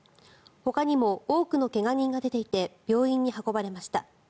ほかにも多くの怪我人が出ていて病院に運ばれました。